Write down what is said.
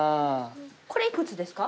これ幾つですか？